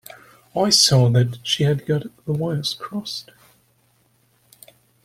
I saw that she had got the wires crossed.